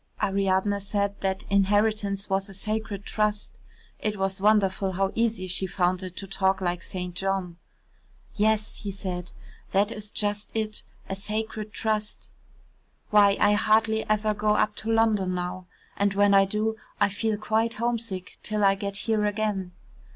Ariadne said that inheritance was a sacred trust (it was wonderful how easy she found it to talk like St. John). "Yes," he said, "that is just it a sacred trust. Why, I hardly ever go up to London now, and when I do, I feel quite homesick till I get here again."